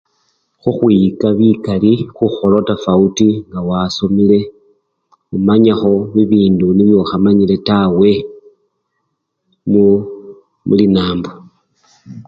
Khukhwiyika bikali, khukhola tafawuti ngawasomele omanyakho bibindu nibye okhamanyile tawe mu! mulinambo.